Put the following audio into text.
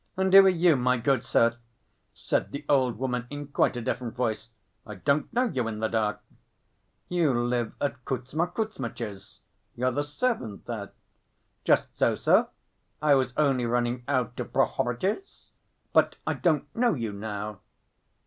"And who are you, my good sir?" said the old woman, in quite a different voice. "I don't know you in the dark." "You live at Kuzma Kuzmitch's. You're the servant there?" "Just so, sir, I was only running out to Prohoritch's.... But I don't know you now."